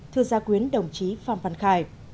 thưa gia quyến đồng chí phan văn khải